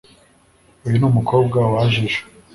uyu ni umukobwa waje ejo